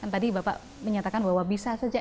tadi bapak menyatakan bahwa bisa saja